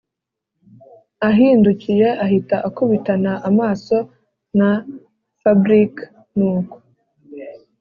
ahindukiye ahita akubitana amaso na fabric nuko